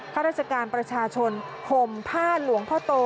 ข้าราชการประชาชนห่มผ้าหลวงพ่อโต